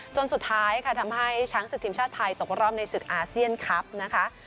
จนสุดท้ายค่ะทำให้ช้างศึกทีมชาติไทยตกรอบในศึกอาเซียนคลับนะคะ